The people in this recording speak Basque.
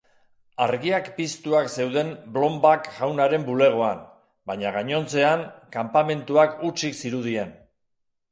Argiak piztuak zeuden Blomback jaunaren bulegoan, baina gainontzean, kanpamentuak hutsik zirudien.